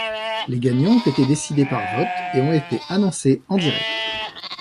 Les gagnants ont été décidés par vote et ont été annoncés en direct.